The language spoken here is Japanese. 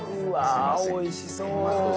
うわあおいしそう。